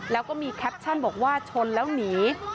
แล้วก็มีแคปชั่นบอกว่าชนแล้วหนี